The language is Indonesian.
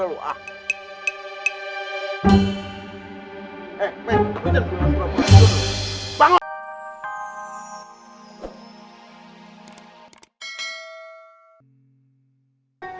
eh men lu jangan bergulau gulau